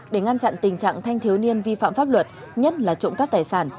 để ngăn chặn tình trạng thanh thiếu niên vi phạm pháp luật nhất là trộm cắp tài sản